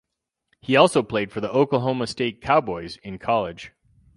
He also played for the Oklahoma State Cowboys in college.